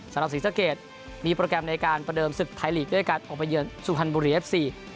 สำหรับศรีศเกษมีโปรแกรมในการประเดิมศึกษ์ไทยลีกด้วยการออกไปเยินสู่ฮันบุรีเอฟซี